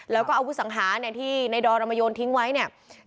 แล้วก็อาวุศังหาที่ในดอรมยนต์ทิ้งไว้เนี่ย